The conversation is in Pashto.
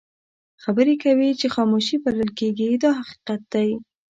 خبرې کوي چې خاموشي بلل کېږي دا حقیقت دی.